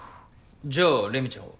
じゃあレミちゃんは？